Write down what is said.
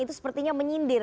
itu lebih menarik